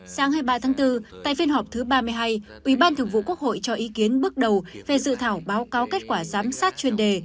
sáng hai mươi ba tháng bốn tại phiên họp thứ ba mươi hai ubnd cho ý kiến bước đầu về dự thảo báo cáo kết quả giám sát chuyên đề